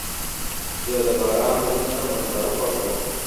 زه د باران وروسته منظره خوښوم.